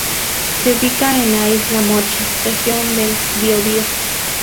Se ubica en la Isla Mocha, Región del Biobío.